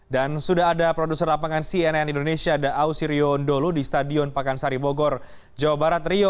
dan sudah ada produser lapangan cnn indonesia da'ausi riondolo di stadion pakansari bogor jawa barat rio